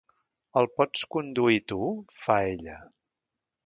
El pots conduir tu? —fa ella.